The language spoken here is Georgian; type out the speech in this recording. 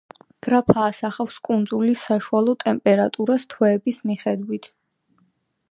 გრაფა ასახავს კუნძულის საშუალო ტემპერატურას თვეების მიხედვით.